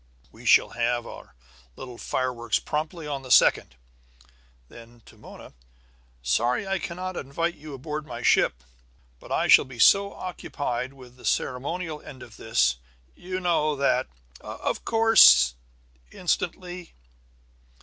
We shall have our little fireworks promptly on the second." Then to Mona: "Sorry I cannot invite you aboard my ship; but I shall be so occupied with the ceremonial end of this, you know, that " "Of course," instantly.